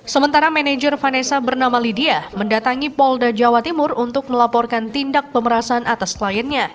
sementara manajer vanessa bernama lydia mendatangi polda jawa timur untuk melaporkan tindak pemerasan atas kliennya